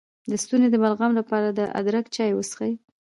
د ستوني د بلغم لپاره د ادرک چای وڅښئ